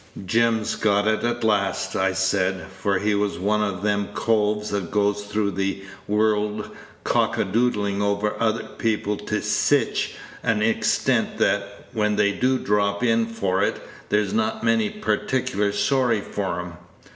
'Jim's got it at last,' I said; for he was one of them coves that goes through the world cock adoodling over other people to sich an extent that, when they do drop in for it, there's not many particular sorry for 'em.